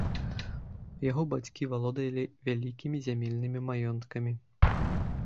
Яго бацькі валодалі вялікімі зямельнымі маёнткамі.